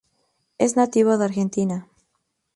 Es nativa de Argentina.